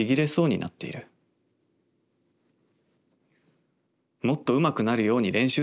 「『もっとうまくなるように練習するよ。